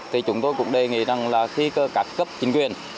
thì chúng tôi cũng đề nghị rằng là khi cơ cắt cấp chính quyền